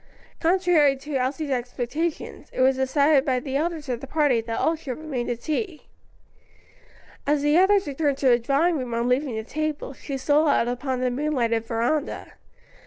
Contrary to Elsie's expectations, it was decided by the elders of the party that all should remain to tea. As the others returned to the drawing room on leaving the table, she stole out upon the moonlighted veranda.